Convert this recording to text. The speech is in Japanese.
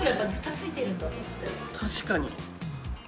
確かに。